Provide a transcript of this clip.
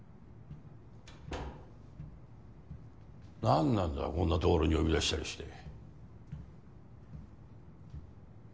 なんなんだこんなところに呼び出したりして。